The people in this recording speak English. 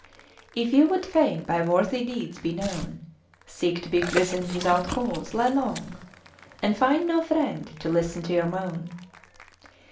If you would fain by worthy deeds be known, Seek to be prisoned without cause, lie long, '' And find no friend to listen to your moan.